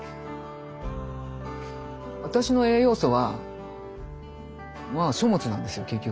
私の栄養素はまあ書物なんですよ結局。